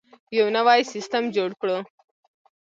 یو نوی سیستم جوړ کړو.